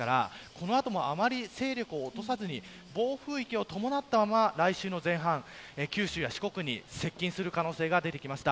この後もあまり勢力を落とさず暴風域を伴ったまま、来週の前半九州や四国に接近する可能性が出てきました。